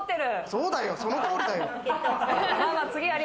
そうだよ、その通りだよ！